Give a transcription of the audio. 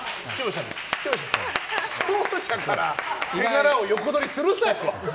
視聴者から手柄を横取りするなよ！